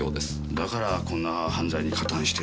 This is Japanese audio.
だからこんな犯罪に加担して。